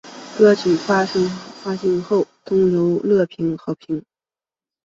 歌曲发行后获得了主流乐评的好评。